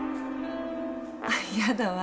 あっ嫌だわ。